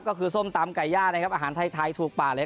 ก็คือส้มตำไก่ย่านะครับอาหารไทยถูกปากเลย